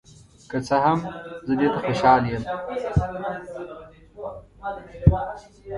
که څه هم، زه دې ته خوشحال یم.